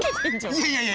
いやいやいや。